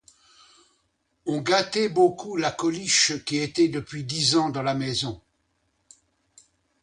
On gâtait beaucoup la Coliche, qui était depuis dix ans dans la maison.